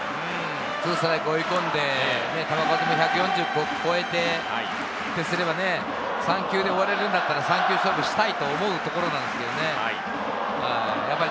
２ストライク追い込んで、球数も１４０を超えて、３球で終われるなら３球勝負したいと思うところですがね。